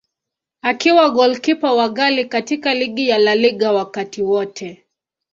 Akiwa golikipa wa ghali katika ligi ya La Liga wakati wote.